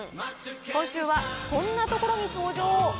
今週はこんなところに登場。